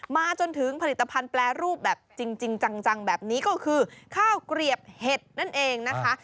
มาจนถึงผลิตภัณฑ์แปรรูปแบบจริงจังแบบนี้ก็คือข้าวเกลียบเห็ดนั่นเองนะคะ